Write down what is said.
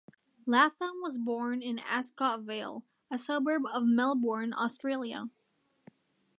Latham was born in Ascot Vale, a suburb of Melbourne, Australia.